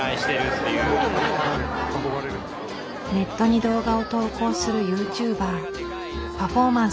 ネットに動画を投稿するユーチューバー。